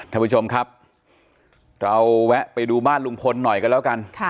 ท่านผู้ชมครับเราแวะไปดูบ้านลุงพลหน่อยกันแล้วกัน